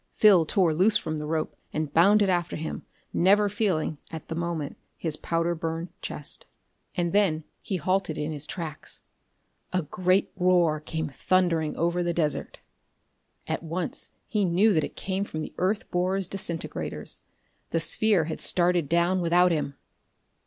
Phil tore loose from the rope and bounded after him, never feeling, at the moment, his powder burned chest. And then he halted in his tracks. A great roar came thundering over the desert! At once he knew that it came from the earth borer's disintegrators. The sphere had started down without him.